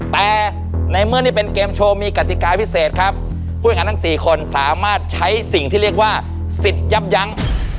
แต่ในเมื่อนี่เป็นเกมโชว์มีกติกาพิเศษครับผู้แข่งขันทั้งสี่คนสามารถใช้สิ่งที่เรียกว่าสิทธิ์ยับยั้ง